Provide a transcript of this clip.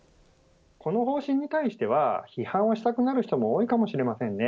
この方針に対しては批判をしたくなる人も多いかもしれません。